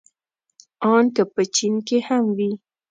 ان که په چين کې هم وي.